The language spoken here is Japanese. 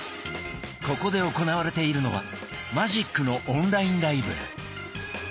ここで行われているのはマジックのオンラインライブ。